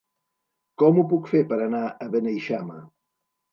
Com ho puc fer per anar a Beneixama?